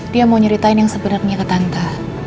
dia mau nyeritain yang sebenarnya ke tante